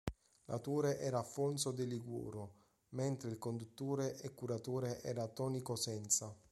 L'autore era Alfonso De Liguoro, mentre il conduttore e curatore era Toni Cosenza.